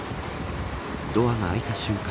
ドアが開いた瞬間